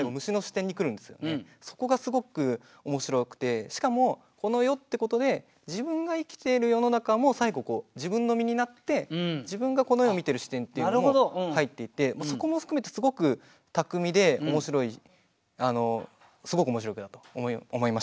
そこがすごくおもしろくてしかもこの世ってことで自分が生きている世の中も最後自分の身になって自分が「この世」を見ている視点っていうのも入っていてそこも含めてすごく巧みでおもしろいすごくおもしろい句だと思いました。